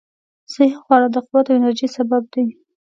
صحي خواړه د قوت او انرژۍ سبب دي.